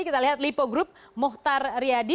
kita lihat lipo group mohtar yadi